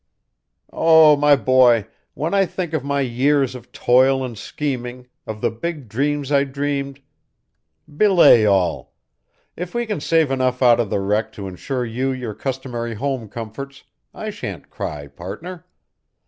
"Oh, my boy, when I think of my years of toil and scheming, of the big dreams I dreamed " "Belay all! If we can save enough out of the wreck to insure you your customary home comforts, I shan't cry, partner.